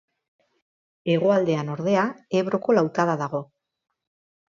Hegoaldean ordea Ebroko lautada dago.